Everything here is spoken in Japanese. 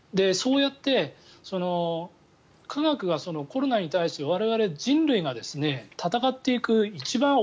そうやって科学がコロナに対して我々人類が闘っていく一番